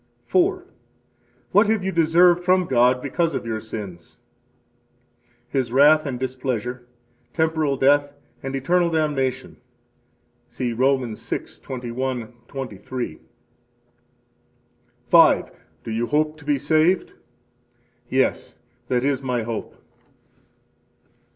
4. What have you deserved from God because of your sins? His wrath and displeasure, temporal death, and eternal damnation. See Romans 6:21,23. 5. Do you hope to be saved? Yes, that is my hope.